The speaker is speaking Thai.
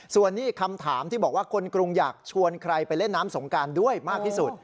ส่วนนี้คำถามที่บอกว่าคนกรุงอยากชวนใครไปเล่นน้ำสงการด้วยมากที่สุด